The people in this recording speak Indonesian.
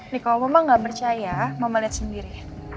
nih kalau mama gak percaya mama liat sendiri